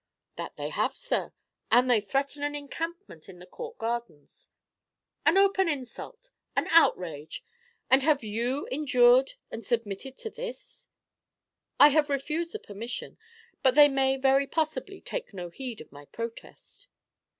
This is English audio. "That they have, sir; and they threaten an encampment in the Court gardens." "An open insult, an outrage! And have you endured and submitted to this?" "I have refused the permission; but they may very possibly take no heed of my protest."